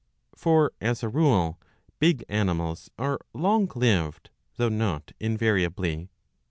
For, as a rule, big animals are long lived, though not invariably."'